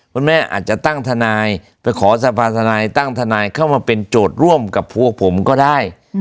คุณแม่อาจจะตั้งทนายไปขอสภาธนายตั้งทนายเข้ามาเป็นโจทย์ร่วมกับพวกผมก็ได้